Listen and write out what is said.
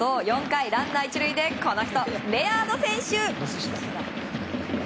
４回、ランナー１塁でレアード選手。